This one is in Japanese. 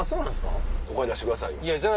お金出してくださいよ。